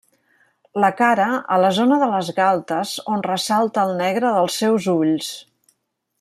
La cara, a la zona de les galtes, on ressalta el negre dels seus ulls.